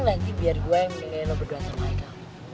nanti biar gue yang ngeliat lo berdua sama aika